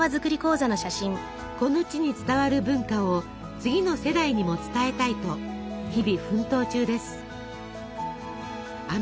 この地に伝わる文化を次の世代にも伝えたいと日々奮闘中です。